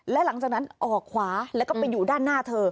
และหลังจากนั้นออกขวาแล้วก็ไปอยู่ด้านหน้าเธอ